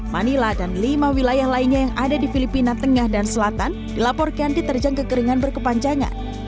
manila dan lima wilayah lainnya yang ada di filipina tengah dan selatan dilaporkan diterjang kekeringan berkepanjangan